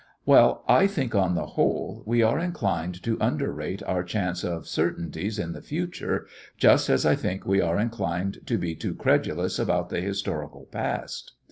Well, I think, on the whole, we are inclined to underrate our chance of certainties in the future, just as I think we are inclined to be too credulous about the historical past.